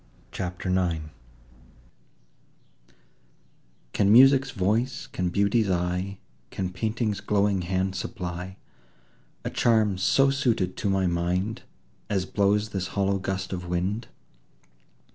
CHAPTER IX Can Music's voice, can Beauty's eye, Can Painting's glowing hand supply A charm so suited to my mind, As blows this hollow gust of wind?